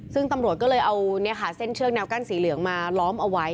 ซึ่งตำรวจก็เลยเอาเส้นเชือกแนวกั้นสีเหลืองมาล้อมเอาไว้